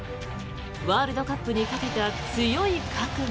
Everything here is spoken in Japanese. ワールドカップにかけた強い覚悟。